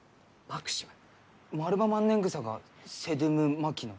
マルバマンネングサがセドゥム・マキノイ？